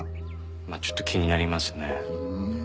まあちょっと気になりますね。